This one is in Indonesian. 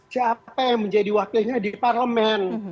siapa yang menjadi wakilnya di parlemen